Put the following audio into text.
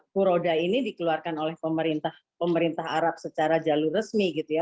furoda ini dikeluarkan oleh pemerintah arab secara jalur resmi gitu ya